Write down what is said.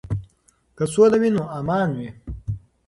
که سوله وي نو امان وي.